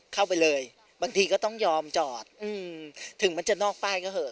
เข้าไปเลยบางทีก็ต้องยอมจอดอืมถึงมันจะนอกไปก็เผลอ